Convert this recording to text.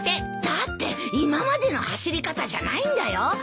だって今までの走り方じゃないんだよ。